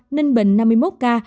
ninh bình năm mươi một ca